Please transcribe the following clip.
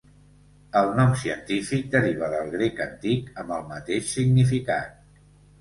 El nom científic deriva del grec antic, amb el mateix significat.